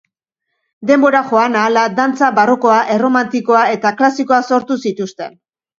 Denbora joan ahala, dantza barrokoa, erromantikoa eta klasikoa sortu zituzten.